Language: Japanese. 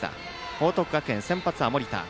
報徳学園、先発は盛田。